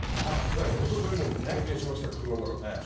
おとといも僕、経験しました、車の中で。